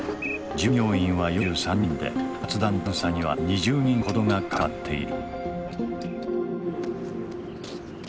従業員は４３人で不発弾探査には２０人ほどが関わっている。